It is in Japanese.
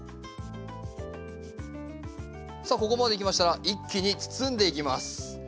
さあここまできましたら一気に包んでいきます。